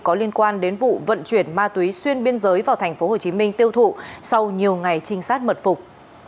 có liên quan đến vụ vận chuyển ma túy xuyên biên giới vào thành phố hồ chí minh tiêu thụ sau nhiều ngày trinh sát mật phục